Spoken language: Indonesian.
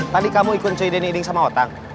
tadi kamu ikut coy denny iding sama otan